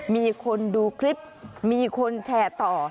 มีคนดูคลิปมีคนแชร์ต่อ